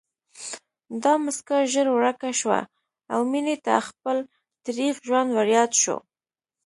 دا مسکا ژر ورکه شوه او مينې ته خپل تريخ ژوند ورياد شو